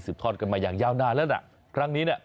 ทอดกันมาอย่างยาวนานแล้วนะครั้งนี้เนี่ย